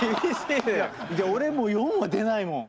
俺も４は出ないもん。